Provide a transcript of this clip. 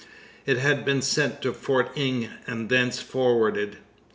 It had been sent to Fort Inge, and thence forwarded.